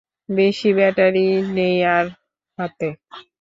বেশী ব্যাটারি নেই আর হাতে!